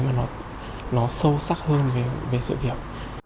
mà nó sâu sắc hơn về sự kiểu